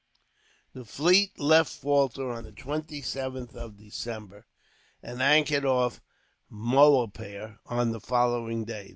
The fleet left Falta on the 27th of December, and anchored off Moiapur on the following day.